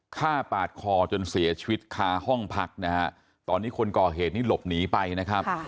ฆ่าปาดคอจนเสียชีวิตคาห้องพักนะฮะตอนนี้คนก่อเหตุนี้หลบหนีไปนะครับ